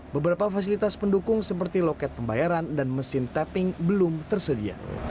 beberapa fasilitas pendukung seperti loket pembayaran dan mesin tapping belum tersedia